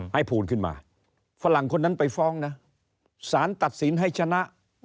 ภูลขึ้นมาฝรั่งคนนั้นไปฟ้องนะสารตัดสินให้ชนะ